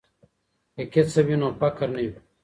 که کسب وي نو فقر نه وي.